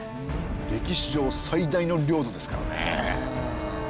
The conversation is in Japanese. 歴史上最大の領土ですからね。